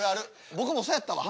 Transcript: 僕もそうやったわ。